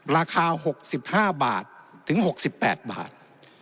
ราคาหกสิบห้าบาทถึงหกสิบแปดบาท